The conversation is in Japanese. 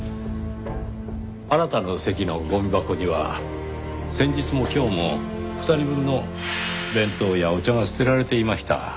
あなたの席のゴミ箱には先日も今日も２人分の弁当やお茶が捨てられていました。